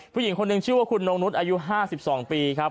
ผู้หญิงคนหนึ่งชื่อว่าคุณนงนุษย์อายุ๕๒ปีครับ